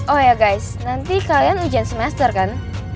oh ya guys nanti kalian ujian semester kan